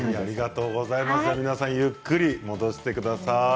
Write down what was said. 皆さんゆっくり戻してください。